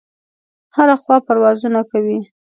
هره خوا پروازونه کوي.